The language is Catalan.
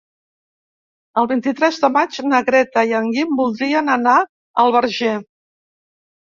El vint-i-tres de maig na Greta i en Guim voldrien anar al Verger.